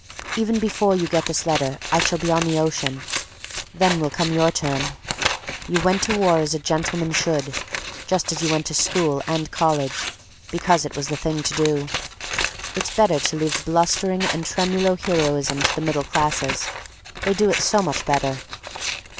Even before you get this letter I shall be on the ocean; then will come your turn. You went to war as a gentleman should, just as you went to school and college, because it was the thing to do. It's better to leave the blustering and tremulo heroism to the middle classes; they do it so much better.